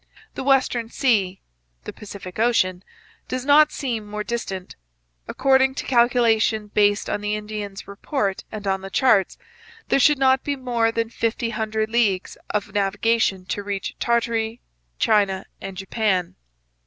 The Western Sea [the Pacific ocean] does not seem more distant. According to calculation based on the Indians' reports and on the charts, there should not be more than fifteen hundred leagues of navigation to reach Tartary, China, and Japan.'